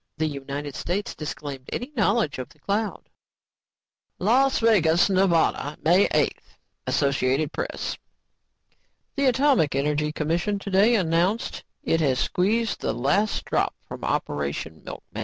The United States disclaimed any knowledge of the cloud. "LAS VEGAS, NEV., May 8 (AP) The Atomic Energy Commission today announced it has squeezed the last drop from Operation Milkmaid."